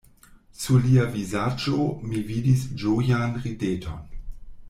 Sur lia vizaĝo mi vidis ĝojan rideton.